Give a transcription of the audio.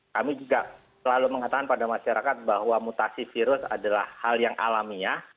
kami juga selalu mengatakan pada masyarakat bahwa mutasi virus adalah hal yang alamiah